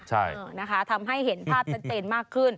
ใช่ทำให้เห็มภาพตัดเตียนมากขึ้น